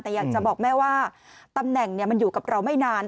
แต่อยากจะบอกแม่ว่าตำแหน่งมันอยู่กับเราไม่นาน